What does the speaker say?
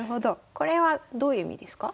これはどういう意味ですか？